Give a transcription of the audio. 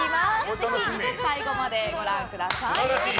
ぜひ最後までご覧ください。